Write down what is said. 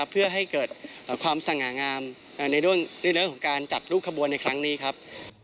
เพื่อให้เกิดความสง่างามในเรื่องของการจัดรูปขบวนในครั้งนี้ครับ